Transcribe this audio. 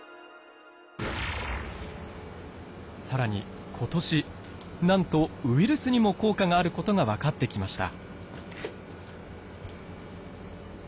更に今年なんとウイルスにも効果があることが分かってきました。